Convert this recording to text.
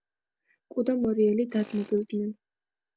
კუ და მორიელი დაძმობილდნენ